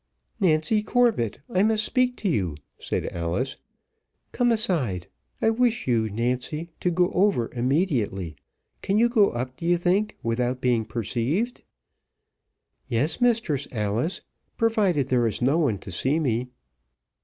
"Nancy Corbett, I must speak to you," said Alice. "Come aside: I wish you, Nancy, to go over immediately. Can you go up, do you think, without being perceived?" "Yes, Mistress Alice, provided there is no one to see me."